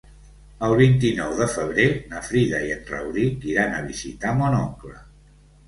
El vint-i-nou de febrer na Frida i en Rauric iran a visitar mon oncle.